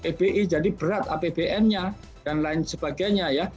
ebi jadi berat apbn nya dan lain sebagainya ya